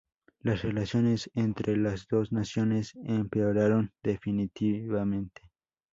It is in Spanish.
Las relaciones entre las dos naciones empeoraron definitivamente.